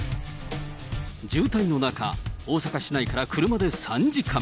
渋滞の中、大阪市内から車で３時間。